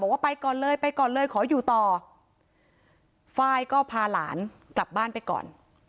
ไปก่อนเลยไปก่อนเลยขออยู่ต่อไฟล์ก็พาหลานกลับบ้านไปก่อน